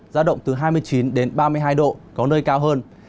giá động từ hai mươi chín đến ba mươi hai độ có nơi cao hơn